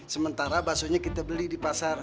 sementara baksonya kita beli di pasar